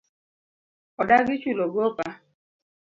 Odagi chulo gopa